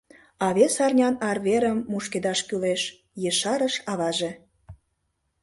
— А вес арнян арверым мушкедаш кӱлеш, — ешарыш аваже.